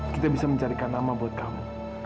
kita bisa mencarikan nama buat kamu